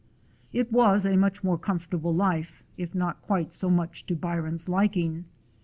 It was a much more comfortable life, if not quite so much to Byron's liking.